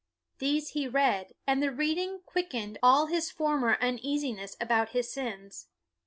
These he read, and the reading quickened all his former 262 BUNYAN uneasiness about his sins.